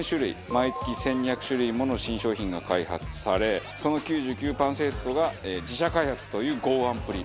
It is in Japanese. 毎月１２００種類もの新商品が開発されその９９パーセントが自社開発という剛腕っぷり。